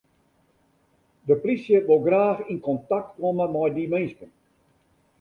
De plysje wol graach yn kontakt komme mei dy minsken.